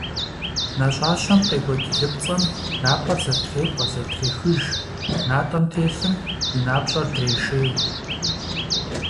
Нэщӏащэм къекӏуэкӏ лыпцӏэм напӏэр зэтрепӏэ, зэтрехыж, натӏэм телъым уи напщӏэр дрешей.